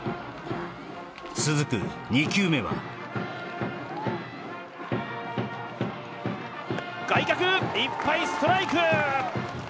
続く２球目は外角いっぱいストライク！